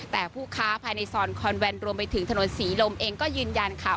แต่ผู้ค้าภายในซอยคอนแวนรวมไปถึงถนนศรีลมเองก็ยืนยันค่ะ